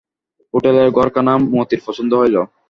হোটেলের ঘরখানা মতির পছন্দই হইল।